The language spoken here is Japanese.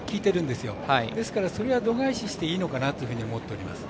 ですから、それは度外視していいのかなというふうに思っております。